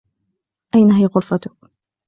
أين هي غرفتك ؟